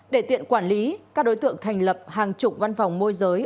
để tiện quản lý các đối tượng thành lập hàng chục văn phòng môi giới